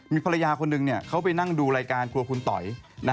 มีภรรยาคนหนึ่งเขาไปนั่งดูรายการกลัวคุณต๋อย